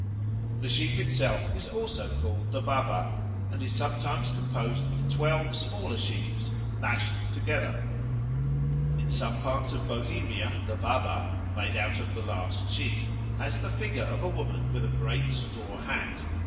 The sheaf itself is also called the Baba, and is sometimes composed of twelve smaller sheaves lashed together. In some parts of Bohemia the Baba, made out of the last sheaf, has the figure of a woman with a great straw hat.